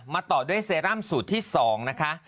ต่อด้วยเซรั่มสูตรที่๒นะคะ